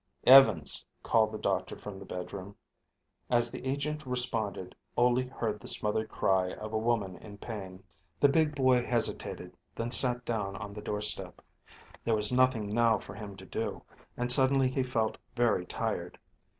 "Evans," called the doctor from the bedroom. As the agent responded, Ole heard the smothered cry of a woman in pain. The big boy hesitated, then sat down on the doorstep. There was nothing now for him to do, and suddenly he felt very tired.